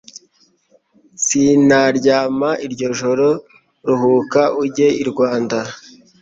Sinaryama iryo joro Ruhuka ujye i Rwanda